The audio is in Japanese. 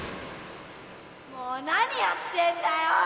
もう何やってんだよ！